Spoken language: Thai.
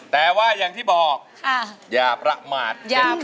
แต่ว่าที่ที่ทำงานนี้ทำงานนี้